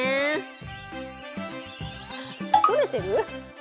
撮れてる？